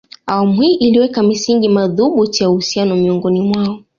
Awamu hii iliweka misingi madhubuti ya uhusiano miongoni mwao